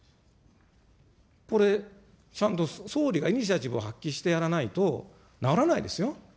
これ、ちゃんと総理がイニシアチブを発揮してやらないと、ならないですよ。